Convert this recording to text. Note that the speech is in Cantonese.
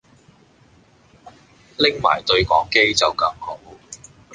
拎埋對講機就更好